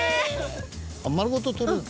丸ごと取れる？